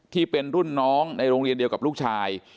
ที่เป็นรุ่นน้องในโรงเรียนเดียวกับลูกชาย